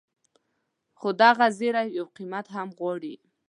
خو دغه زیری یو قیمت هم غواړي.